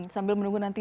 sambil menunggu nanti